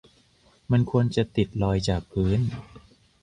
มันควรจะติดลอยจากพื้น